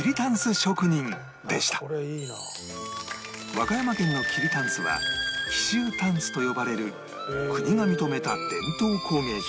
和歌山県の桐たんすは紀州箪笥と呼ばれる国が認めた伝統工芸品